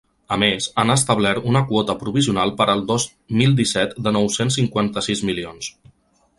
A més, han establert una quota provisional per al dos mil disset de nou-cents cinquanta-sis milions.